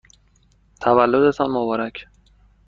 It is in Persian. تولدتان مبارک!